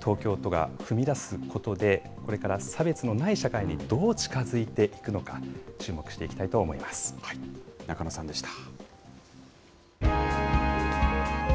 東京都が踏み出すことで、これから差別のない社会に、どう近づいていくのか、注目していきたいと中野さんでした。